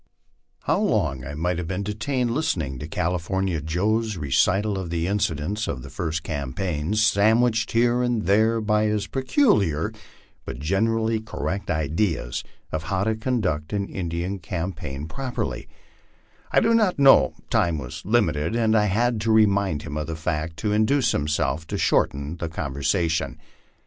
'" How long I might have been detained listening to California Joe's re cita 1 of incidents of first campaigns, sandwiched here and there by his pecu liar but generally correct ideas of how to conduct an Indian campaign prop erly, I do not know; time was limited, and I had to remind him of the fact to induce him to shorten the conversation.